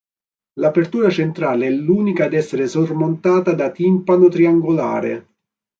L'apertura centrale è l'unica ad essere sormontata da timpano triangolare.